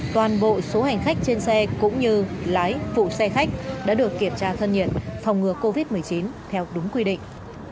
toàn bộ số hành khách trên xe cũng như lái phụ xe khách đã được kiểm tra thân nhiệt phòng ngừa covid một mươi chín theo đúng quy định